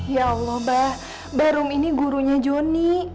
ya allah mbak barum ini gurunya jody